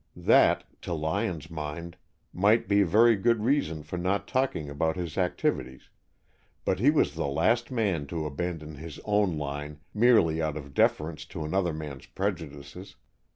That, to Lyon's mind, might be a very good reason for not talking about his activities, but he was the last man to abandon his own line merely out of deference to another man's prejudices.